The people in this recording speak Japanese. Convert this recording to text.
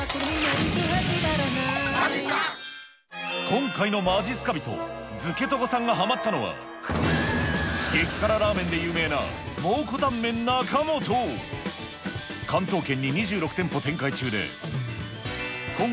今回のまじっすか人、づけとごさんがハマったのは激辛ラーメンで有名な蒙古タンメン中本。